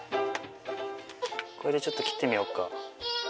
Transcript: これでちょっと切ってみよっか。